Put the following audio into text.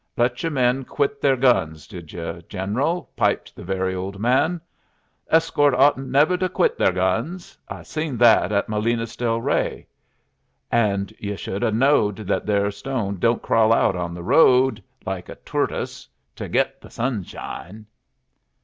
"Let yer men quit the'r guns, did ye, general?" piped the very old man. "Escort oughtn't never to quit the'r guns. I seen that at Molino del Rey. And ye should have knowed that there stone didn't crawl out in the road like a turtus to git the sunshine."